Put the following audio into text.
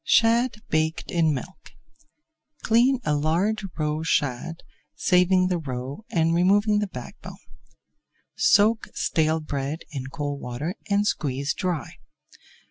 SHAD BAKED IN MILK Clean a large roe shad, saving the roe and removing the back bone. Soak stale bread in cold water and squeeze dry.